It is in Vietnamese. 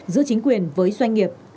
giữa chính quyền với doanh nghiệp